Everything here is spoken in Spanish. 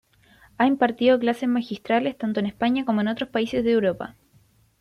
Ha impartido clases magistrales tanto en España como en otros países de Europa.